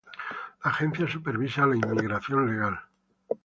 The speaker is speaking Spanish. La agencia supervisa la inmigración legal.